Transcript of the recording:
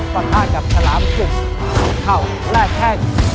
ต่อท่ากับถรามศึกเข้าแลกแท่ง